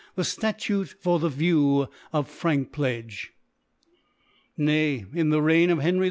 The SMuti for the View of Frank pledge *.« Nayj in the Reign of Htnrj IV.